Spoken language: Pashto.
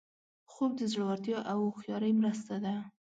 خوب د زړورتیا او هوښیارۍ مرسته ده